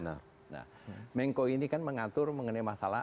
nah mengko ini kan mengatur mengenai masalah